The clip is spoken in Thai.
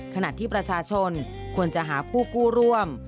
ขณะที่ประชาชนควรจะหาผู้กู้ร่วม